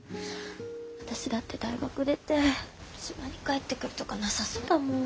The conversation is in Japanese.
私だって大学出て島に帰ってくるとかなさそうだもん。